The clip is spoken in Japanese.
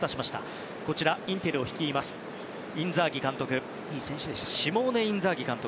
こちら、インテルを率いますシモーネ・インザーギ監督。